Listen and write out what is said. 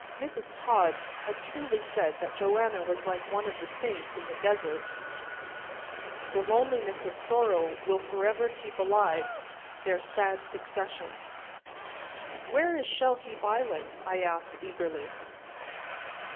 Mrs. Todd had truly said that Joanna was like one of the saints in the desert; the loneliness of sorrow will forever keep alive their sad succession. "Where is Shell heap Island?" I asked eagerly.